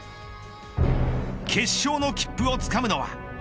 決勝の切符をつかむのは。